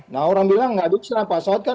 nah orang bilang enggak diserah pak saud kan